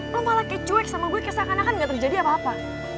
lo malah kayak cuek sama gue kayak seakan akan ga terjadi apa apa